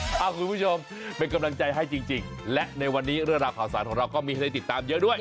คุณผู้ชมเป็นกำลังใจให้จริงและในวันนี้เรื่องราวข่าวสารของเราก็มีให้ได้ติดตามเยอะด้วย